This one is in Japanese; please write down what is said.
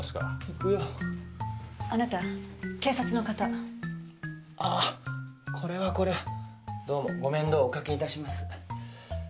行くよあなた警察の方ああこれはこれはどうもご面倒をおかけ致します